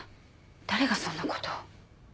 誰がそんなことを。